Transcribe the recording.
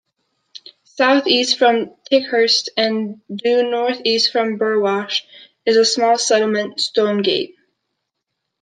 South-east from Ticehurst and due north-east from Burwash, is a small settlement, Stonegate.